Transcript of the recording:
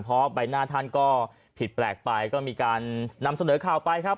เพราะใบหน้าท่านก็ผิดแปลกไปก็มีการนำเสนอข่าวไปครับ